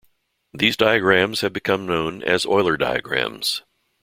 These diagrams have become known as Euler diagrams.